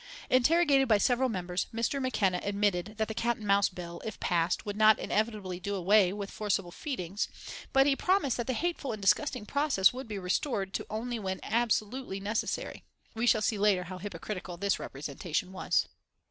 Interrogated by several members, Mr. McKenna admitted that the "Cat and Mouse" bill, if passed, would not inevitably do away with forcible feeding, but he promised that the hateful and disgusting process would be resorted to only when "absolutely necessary." We shall see later how hypocritical this representation was.